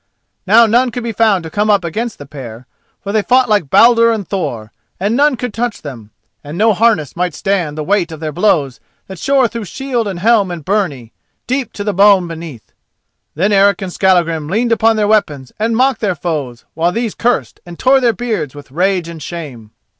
Now none could be found to come up against the pair, for they fought like Baldur and Thor, and none could touch them, and no harness might withstand the weight of their blows that shore through shield and helm and byrnie, deep to the bone beneath. Then Eric and Skallagrim leaned upon their weapons and mocked their foes, while these cursed and tore their beards with rage and shame.